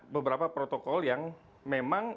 beberapa protokol yang memang